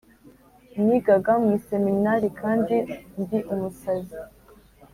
Nigaga mu iseminari kandi ndi umusazi